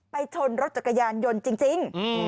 ชนรถจักรยานยนต์จริง